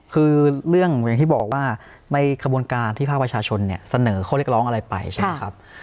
คือเรื่องอย่างที่บอกว่าในขบวนการที่ภาคประชาชนเนี่ยเสนอข้อเรียกร้องอะไรไปใช่ไหมครับ